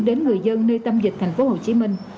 đến người dân nơi tâm dịch thành phố hồ chí minh